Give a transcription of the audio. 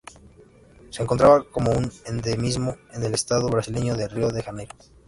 Se encontraba como un endemismo en el estado brasileño de Río de Janeiro.